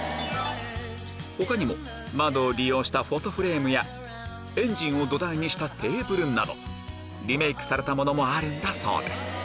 他にも窓を利用したフォトフレームやエンジンを土台にしたテーブルなどリメイクされたものもあるんだそうです